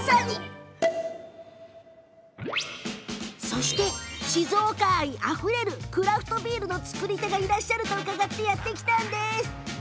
そして、静岡愛あふれるクラフトビールの造り手がいらっしゃると伺ってやって来ました。